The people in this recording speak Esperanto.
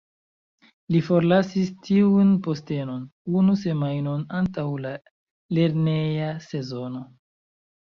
Li forlasis tiun postenon, unu semajnon antaŭ la lerneja sezono.